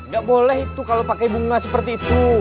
gak boleh itu kalo pake bunga seperti itu